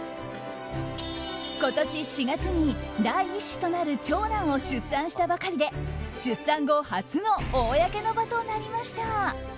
今年４月に第１子となる長男を出産したばかりで出産後初の公の場となりました。